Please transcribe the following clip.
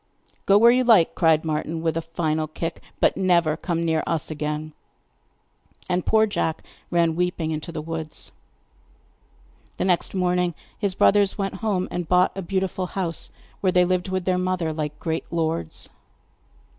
'Go where you like,' cried Martin with a final kick; 'but never come near us again.' And poor Jack ran weeping into the woods. The next morning his brothers went home, and bought a beautiful house, where they lived with their mother like great lords.